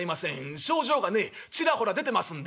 症状がねちらほら出てますんで」。